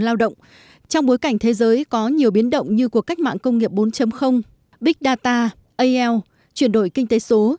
lao động trong bối cảnh thế giới có nhiều biến động như cuộc cách mạng công nghiệp bốn big data al chuyển đổi kinh tế số